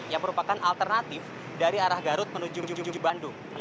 seperti salah satunya di perlintasan kereta api dan juga di pertigaan cijapat